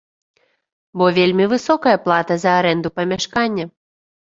Бо вельмі высокая плата за арэнду памяшкання.